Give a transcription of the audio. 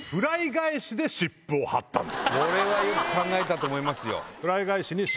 これはよく考えたと思います。